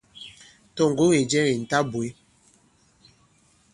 Tɔ̀ ŋgǒŋ ì jɛ kì mɛ̀ ta bwě.».